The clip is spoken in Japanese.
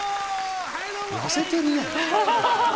痩せてるね。